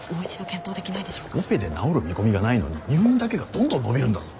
オペで治る見込みがないのに入院だけがどんどん延びるんだぞ。